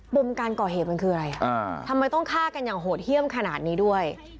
มการก่อเหตุมันคืออะไรทำไมต้องฆ่ากันอย่างโหดเยี่ยมขนาดนี้ด้วย